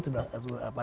tidak akan melampaui